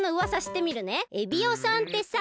エビオさんってさ